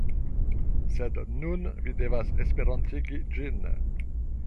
Sed nun, vi devas Esperantigi ĝin.